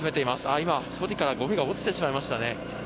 今、そりからゴミが落ちてしまいましたね。